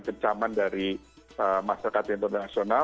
kencaman dari masyarakat internasional